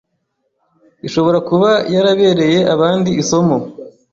ishobora kuba yarabereye abandi isomo